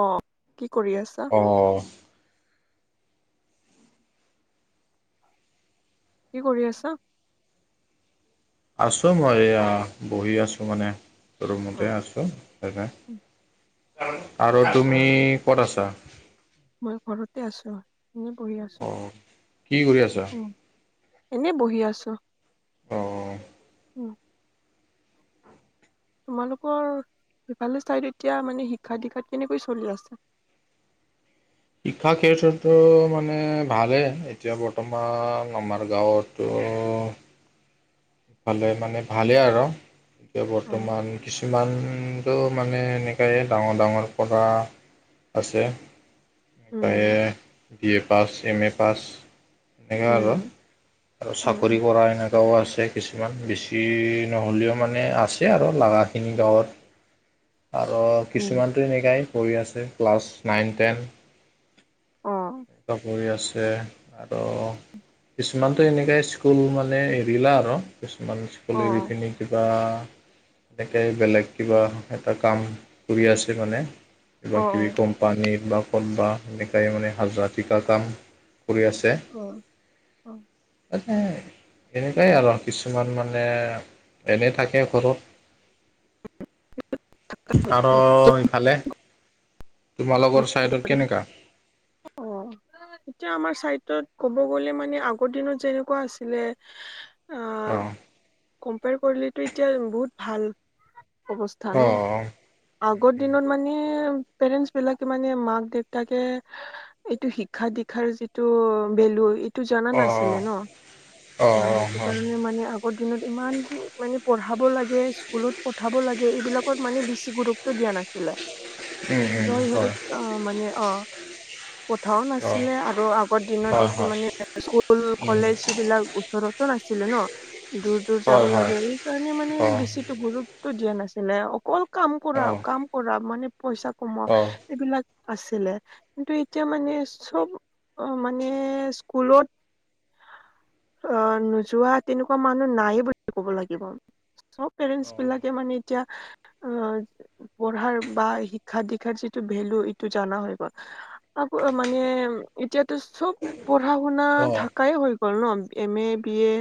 অ, কি কৰি আছা? অ, কি কৰি আছা? আছো মই এয়া বহি আছো, মানে অ ৰুমতে আছো। আৰু অ তুমি ক'ত আছা? মই ঘৰতে আছো। এনেই বহি আছো। অ', কি কৰি আছা? উম, এনে বহি আছো। অ, উম, তোমালোকৰ সেইফালে চাইদ এতিয়া মানে শিক্ষা- দীক্ষাত কেনেকৈ চলি আছে? শিক্ষা ক্ষেত্ৰতো মানে ভালেই। এতিয়া বৰ্তমান আমাৰ গাঁৱতে সেফালে মানে ভালেই আৰু এতিয়া উম বৰ্তমান। কিছুমানটো মানে এনেকে ডাঙৰ ডাঙৰ পঢ়া। আছে উম B A pass, M A pass. এনেকৈ আৰু। উম আৰু চাকৰি উম কৰা এনেকুৱাও আছে। কিছুমান বেছি নহ'লেও মানে আছে আৰু, লগা খিনি ধৰ। আৰু উম কিছুমানটো এনেকুৱাই পঢ়ি আছে। Class nine, ten. অ ট, পঢ়ি আছে। আৰু, কিছুমানটো এনেকে স্কুল মানে এৰিলা আৰু। কিছুমান অ পুলি বিকিনি কিবা এনেকে বেলেগ কিবা এটা কাম কৰি আছে। মানে কিব অ কিবি কোম্পানী বা ক'ম্পা এনেকাই মানে হাজিৰা ঠিকা কাম কৰি আছে। অ, অ। [unintelligible] এনেকুৱাই আৰু! কিছুমান মানে এনেই থাকে ঘৰত আৰু ইফালে তোমালোকৰ ছাইডত কেনেকা? অ', এতিয়া, আমাৰ চাইডটোত ক'ব গ'লে মানে আগৰ দিনত যেনেকুৱা আছিলে অ', কম্পেয়েৰ কৰিলেটো এতিয়া, বহুত ভাল। অৱস্থা অ ন, আগৰ দিনত মানে পেৰেঞ্চ বিলাকে মানে মাক দেউতাকে এইটো শিক্ষা দিক্ষাৰ যিটো ভেলু টো জনা অ নাছিলে ন! অ', সেইটো কাৰণে মানে আগৰ দিনত ইমান মানে পঢ়াব লাগে, স্কুলত পঠাব লাগে এইবিলাকত মানে বেছি গুৰুত্ব টো দিয়া নাছিলে। উম ত উম সিহঁতে, হয় অ', মানে অ', কথাও নাছিলে আৰু আগৰ দিনত অ হয় এইটো হয় মানে স্কুল উম কলেজ এইবিলাক ওচৰতো নাছিলে ন, দূৰ-দূৰ যাব হয় লাগে হয় এইকাৰণে মানে অ বেছি টো গুৰুত্ব দিয়া নাছিলে। অকল কাম কৰা, কাম কৰা মানে পইচা কমা অ অ এইবিলাক আছিলে। কিন্তু, এতিয়া মানে চব মানে স্কুলত অ', নোযোৱা তেনেকুৱা মানুহ নাইয়ে বুলি ক'ব লাগিব। চব পেৰেন্টছবিলাকে মানে এতিয়া অ', পঢ়াৰ বা শিক্ষা দিক্ষাৰ যিটো ভেলু, এইটো জানা হৈ গ'ল। আকৌ, মানে এতিয়াতো চব পঢ়া-শুনা অ অ থাকাই হৈ গ'ল ন! এম এ, বি এ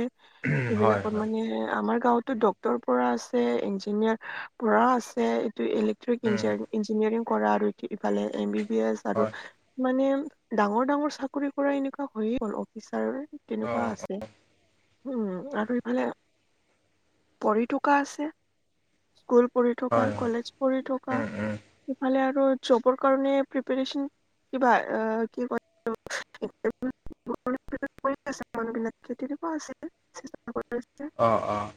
হয় এইবিলাকত হয় মানে আমাৰ গাঁৱতো ডক্ট ডৰ পৰা আছে, ইঞ্জিনিয়াৰ পৰা আছে, এইটো ইলেক্ট্ৰিক উম ইঞ্জিনি ইঞ্জিনিয়াৰিং কৰা আৰু ইফালে এম বি বি এছ আৰু হয় মানে ডাঙৰ- ডাঙৰ চাকৰি কৰা এনেকুৱা হয় [unintelligible] অফিচাৰ অ তেনেকুৱা আছে। উম আৰু ইফালে, পৰি থকা আছে। স্কুল পঢ়ি থকা, হয় হয় কলেজ পঢ়ি থকা। উম উম ইফালে আৰু জবৰ কাৰণে প্ৰেপেৰেচন কিবা আহ, [inaudible] [inaudible] অ', - অ',।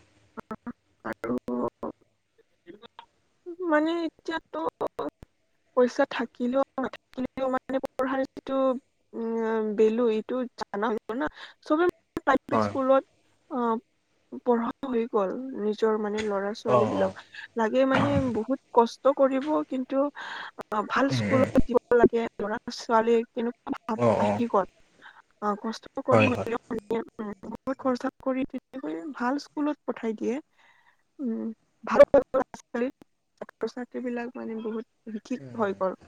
[inaudible] পইছা থাকিলেও নাথাকিলেও মানে পঢ়াৰ যিটো উম ভেলু এইটো জানা হব ন! চবে [unintelligible] হয় স্কুলত অ', পঢ়া হৈ গ'ল। নিজৰ মানে ল'ৰা অ অ ছোৱালীবিলাক, লাগে মানে বহুত কষ্ট কৰিব। কিন্তু অ', ভাল উম উম স্কুলত দিব লাগে। ল'ৰা-ছোৱালী কেনেকুৱা [unintelligible] অ অ আহি গ'ল। অ', কষ্ট কৰি হয় হয় হ'লেও [unintelligible] খৰচা কৰি [unintelligible] ভাল স্কুলত পঠাই দিয়ে উম, ভাল- ভাল [unintelligible] ছাত্ৰ-ছাত্ৰী বিলাক মানে বহুত শিক্ষিত হয় বৰ।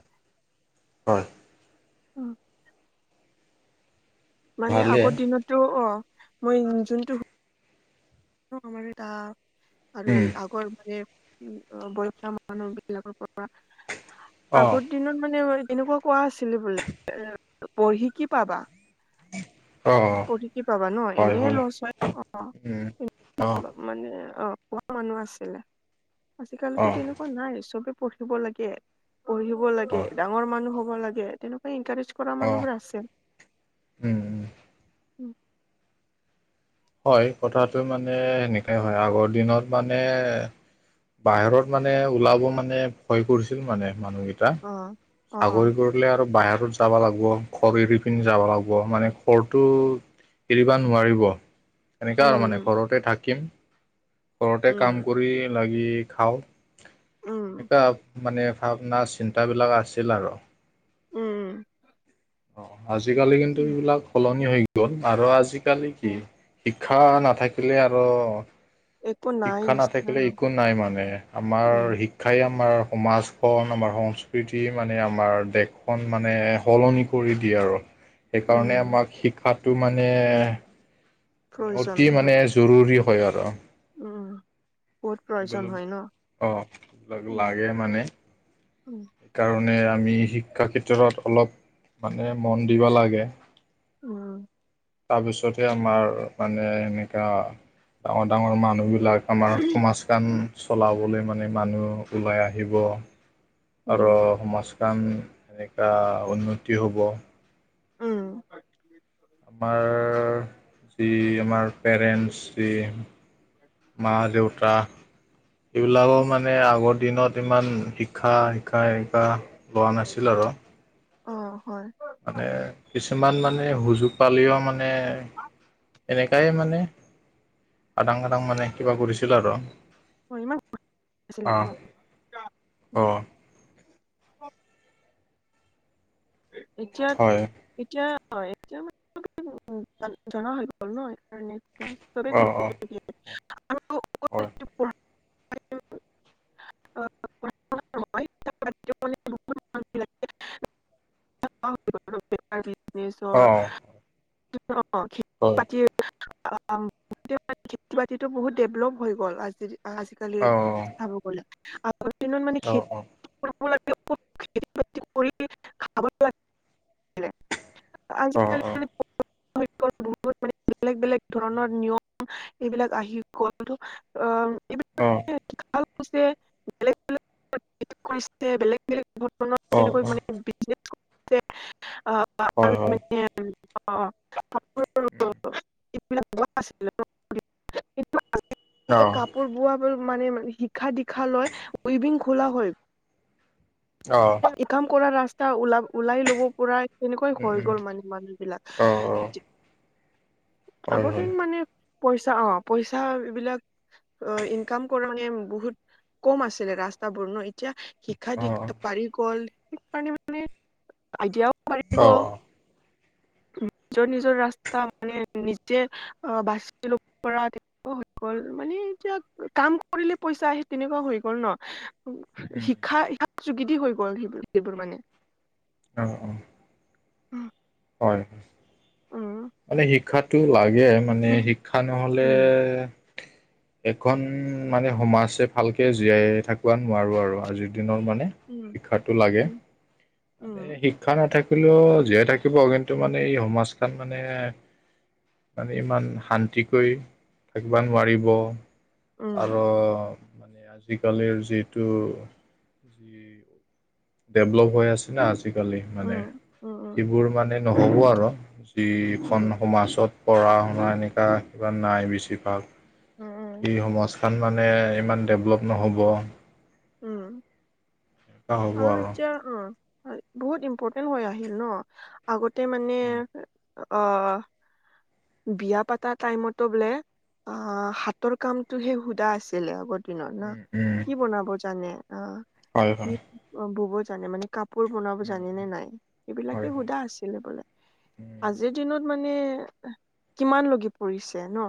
হয় উম। মানে ভালে আগৰ দিনত টো' অ', মই যোনটোৰ [unintelligible] আৰু উম আগৰ মানে বয়সীয়া মানুহ বিলাকৰ পৰা অ আগৰ দিনত মানে, এনেকুৱা কোৱা আছিলে বোলে পঢ়ি কি পাবা? অ পঢ়ি কি পাবা ন! এনে হে ল'ছ হয়। অ', উম অ [unintelligible] মানে অ' কোৱা মানুহ আছিলে। অ আজিকালিটো তেনেকুৱা নাই। চবে পঢ়িব লাগে, পঢ়িব লাগে, হয় ডাঙৰ মানুহ হ'ব লাগে, তেনেকুৱা ইনকাৰেজ কৰা অ মানুহবোৰ আছে। উম উম। উম। হয়, কথাটো মানে সেনেকাই হয়। আগৰ দিনত মানে বাহিৰত মানে, ওলাব মানে, ভয় কৰিছিল মানে মানুহকেইটা অ', অ', অ'। চাকৰি কৰো আৰু বাহিৰত যাব লাগিব, ঘৰ এৰি পিনি যাব লাগিব। মানে ঘৰটো এৰিবা নোৱাৰিব। তেনেকুৱা আৰু মানে উম, ঘৰতে থাকিম। ঘৰতে কাম উম, কৰি লাগি খাওঁ। উম, এনেকুৱা মানে ভাৱনা চিন্তাবিলাক আছিল আৰু। উম। অ', আজি কালি কিন্তু উম, এইবিলাক সলনি হৈ গ'ল আৰু আজি কালি কি উম। শিক্ষা নাথাকিলে আৰু এক শিক্ষা নাথাকিলে একো নাই মানে আমাৰ উম। শিক্ষা শিক্ষাই আমাৰ সমাজখন আমাৰ সংস্কৃতি মানে আমাৰ দেশখন মানে সলনি কৰি দিয়ে আৰু উম, সেইকাৰণে আমাক শিক্ষাটো মানে মানে প্ৰয়োজন অতি মানে বহুত, জৰুৰী হয় আৰু। উম। বহুত এইবোৰ প্ৰয়োজন হয় ন? অ' এইবিলাক উম। লাগে মানে। উম। সেইকাৰণে আমি শিক্ষাৰ ক্ষেত্ৰত অলপ মানে মন দিব লাগে। উম। তাৰপিছতহে আমাৰ মানে এনেকৈ ডাঙৰ ডাঙৰ মানুহ বি লাক আমাৰ সমাজখন চলাবলৈ মানে মানুহ ওলাই আহিব। উম, আৰু সমাজখন এনেকুৱা উন্নতি হ'ব। উম। আমাৰ যি আমাৰ পেৰেণ্টছ যি মা দেউতা এইবিলাকৰ মানে আগৰ দিনত ইমান শিক্ষা শিকা শিকা লোৱা নাছিল আৰু। অ', হয়। মানে কিছুমান মানে সুযোগ পালিও মানে এনেকাই মানে। আদাং আদাং মানে কিবা কৰিছিল আৰু। [inaudible] আছিলে ন? অ', উম, অ'। এতিয়া হয় এতিয়া হয় এতিয়া অ অ [unintelligible] [inaudible] হয়। অ [inaudible] হয়। [unintelligible] খেতি বাতিটো বহুত ডেভলপ হৈ গ'ল আজি আজি। কালি অ চাব গ'লে আগৰ দিনত মানে অ খে [inaudible] অ [unintelligible] অ আজিকালি [unintelligible] [unintelligible] বেলেগ বেলেগ ধৰণৰ নিয়ম এইবিলাক আহি গ'ল অ' এইবিলাক অ' বেলেগ-বেলেগ-বেলেগ-বেলেগ ঘৰত অ অ অ তেনেকৈ মানে বিজনেছ কৰিছে আহ' হয় হয় মানে অ' কাৰোবাৰ আ [unintelligible] অ বোৱা মানে শিক্ষা দীক্ষা লয় ৱবিং খোলা হয় অ ই কাম কৰা ৰাস্তা ওলা ওলাই লব পৰাই তেনেকুৱাই উম হৈ উম গল মানে মানুহ বিলাক অ অ হয় আগতে হয় মানে পইচা অ পইচা বিলাক অ ইনকাম কৰ মানে বহুত কম আছিলে ৰাস্তা বোৰ ন এতিয়া শিক্ষা অ দীক্ষা বাঢ়ি গ'ল সেইকাৰণে মানে আইডিয়াও বাঢ়ি অ গ'ল নিজৰ নিজৰ ৰাস্তা মানে নিজে বাচি ল'ব পৰা হৈ গল মানে এতিয়া কাম কৰিলে পইচা আহে তেনেকুৱা হৈ গল ন উম শিক্ষা শিক যোগেদি হৈ গ'ল সেইবোৰ সেইবোৰ মানে অঁ অঁ উ হয় অ মানে শিক্ষাতটো লাগে মানে শিক্ষা নহলে এখন মানে সমাজে ভালকে জীয়াই থাকিব নোৱাৰো আৰু আজিৰ দিনৰ মানে উম উম শিক্ষাতটো লাগে উম উম মানে শিক শিক্ষা নাথাকিলেও জীয়াই থাকিব কিন্তু মানে এই সমাজ খন মানে মানে ইমান শান্তিকৈ থাকিব নোৱাৰিব উম উম আৰু মানে আজিকালিৰ যিটো যি ডেভলপ হৈ আছে না আজিকালি মানে উম এইবোৰ মানে নহ'ব আৰু যিখন উম সমাজত পঢ়া শুনা এনেকুৱা কিবা নাই বেছিভাগ উম এই সমস তান মানে ইমান ডেভলপ নহ'ব উম আৰু এতিয়া বহুত ইম্পৰ্টেণ্ট হৈ আহিল ন আগতে মানে উম অ বিয়া পাতা টাইমতো বোলে অ হাতৰ কামটোহে সোধা আছিলে আগত ত ন উম উম কি বনাব জানে অ হয় কি হয় বুব জানে মানে কাপ কাপোৰ বনাব উম জানিনে উম নাই এইবিলাকে হয় হয় সোধা আছিলে বোলে উম আজিৰ দিনত মানে কিমান লগি পৰিছে ন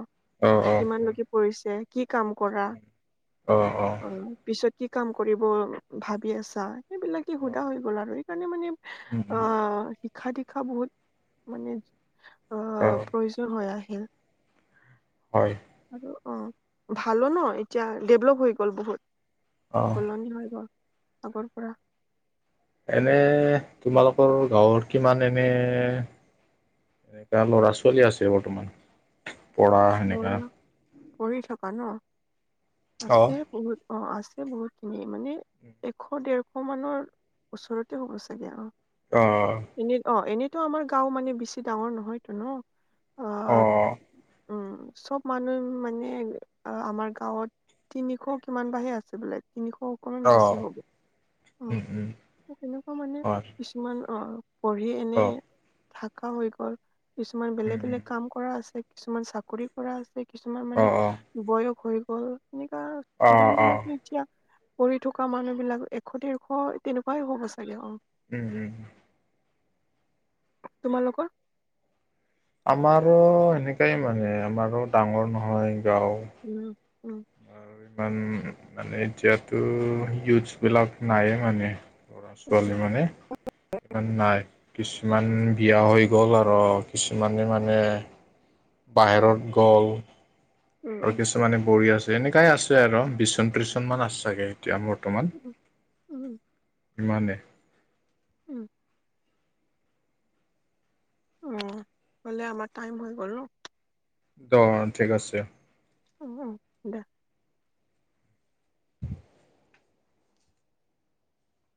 অ অ কিমান হয় লগি কৰিছে কি কাম কৰা অ পিছত কি কাম কৰিব ভাবি আছা সেইবিলাকে অ সোধা হৈ গ'ল আৰু সেইকাৰণে মানে উম উম আহ শিক্ষা দীক্ষা বহুত মানে আহ অ প্ৰয়োজন হৈ আহিল হয় আৰু অ ভালো ন এতিয়া ডেভলপ হৈ গ'ল বহুত অ সলনি হৈ গ'ল আগৰ পৰা এনে তোমালোকৰ গাঁৱৰ কিমান এনে এ কাৰ ল'ৰা ছোৱালী আছে বৰ্তমান পঢ়া বৰ সেনেকা কৰি থকা ন অ আছে বহুত অ আছে বহুত খিনি মানে এশ ডেৰশ মানৰ ওচৰতে হ'ব চাগে আৰু অ এনে অ এনেইতো আমাৰ গাওঁ মানে বেছি ডাঙৰ নহয়তো ন অ উম, চব মানুহ মানে আমাৰ গাঁৱত। তিনিশ কিমান বাহে আছে বোলে তিনিশ। অকমান অ বেছি হ'ব অ, উম উম তেনেকুৱা মানে। হয় কিমান অ, পঢ়ি এনে অ থাকা হৈ গ'ল। কিছুমান বেলেগ উম বেলেগ উম কাম কৰা আছে কিছুমান চাকৰি কৰা আছে। কিছুমান অ মানে অ বয়স হৈ গ'ল। এনেকুৱা অ অ ষ্টুডেন্টবিলাকে এতিয়া কৰি থকা মানুহবিলাক এশ দেৰশ তেনেকুৱাই হ'ব চাগে অ, উম, উম, উম। তোমালোকৰ? আমাৰো এনেকাই মানে, আমাৰো ডাঙৰ নহয় গাঁও। উম, উম। আৰু ইমান মানে এতিয়াতো ইউথছবিলাক নাইয়ে মানে। ল'ৰা-ছোৱালী মানে, ইমান নাই। কিছুমান বিয়া হৈ গ'ল আৰু কিছুমানে মানে বাহিৰত গ'ল উম আৰু উম কিছুমানে কৰি আছে। এনেকাই আছে আৰু টিউচন, টিচন [unintelligible] আছে চাগে এতিয়া বৰ্তমান, উম উম উম ইমানে। উম, উম, হ'লে আমাৰ টাইম হৈ গ'ল ন। দহ, ঠিক আছে। উম, উম, দহ। [inaudible]